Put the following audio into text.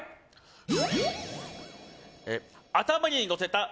はい！